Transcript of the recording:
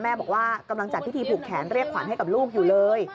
บอกว่ากำลังจัดพิธีผูกแขนเรียกขวัญให้กับลูกอยู่เลย